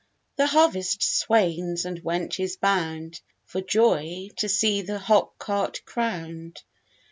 The harvest swains and wenches bound For joy, to see the Hock Cart crown'd.